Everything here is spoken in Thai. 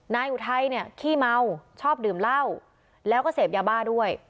อุทัยเนี่ยขี้เมาชอบดื่มเหล้าแล้วก็เสพยาบ้าด้วย